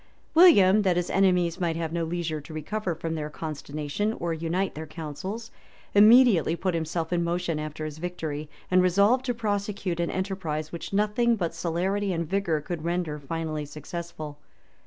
William, that his enemies might have no leisure to recover from their consternation or unite their counsels, immediately put himself in motion after his victory, and resolved to prosecute an enterprise which nothing but celerity and vigor could render finally successful.